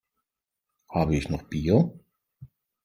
Habe ich noch Bier?